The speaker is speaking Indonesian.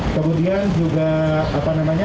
kemudian juga apa namanya